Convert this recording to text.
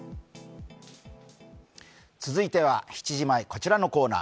続いては７時前、こちらのコーナー。